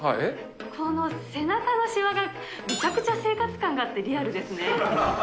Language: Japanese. この背中のしわがむちゃくちゃ生活感があってリアルですね。